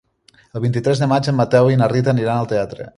El vint-i-tres de maig en Mateu i na Rita aniran al teatre.